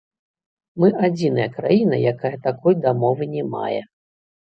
Мы адзіная краіна, якая такой дамовы не мае.